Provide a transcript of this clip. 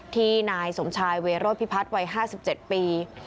ที่นายสมชายเวโรธพิพัฒน์วัย๕๗ปี